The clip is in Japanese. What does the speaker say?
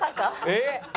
えっ！？